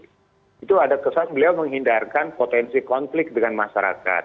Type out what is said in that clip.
nah ketika pak amis naik itu ada kesan beliau menghindarkan potensi konflik dengan masyarakat